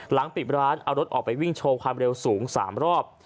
ปิดร้านเอารถออกไปวิ่งโชว์ความเร็วสูง๓รอบ